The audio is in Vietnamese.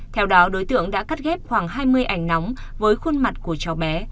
theo đó đối tượng đã cắt ghép khoảng hai mươi ảnh nóng với khuôn mặt của cháu bé